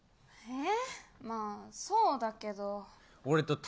まあ、そうだけど。